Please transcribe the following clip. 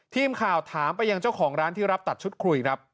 ทีมข่าวถามไปยังเจ้าของร้านที่รับตัดชุดคุยครับ